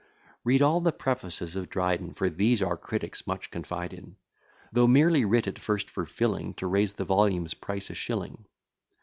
Read all the prefaces of Dryden, For these our critics much confide in; Though merely writ at first for filling, To raise the volume's price a shilling.